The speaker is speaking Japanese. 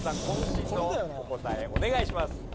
渾身のお答えお願いします。